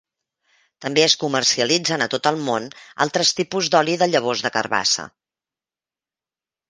També es comercialitzen a tot el món altres tipus d'oli de llavors de carbassa.